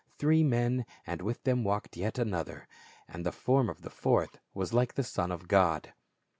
Three men, and with them walked yet another, "and the form of the fourth was like the Son of God."